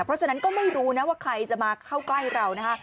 เพราะฉะนั้นก็ไม่รู้นะว่าใครจะมาเข้าใกล้เรานะคะ